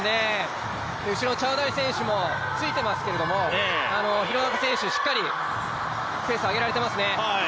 後ろ、チャウダリ選手もついてますけど廣中選手、しっかりペースを上げられていますね。